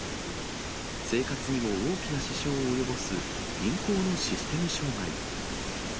生活にも大きな支障を及ぼす銀行のシステム障害。